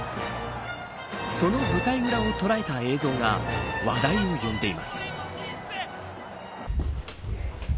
その舞台裏を捉えた映像が話題を呼んでいます。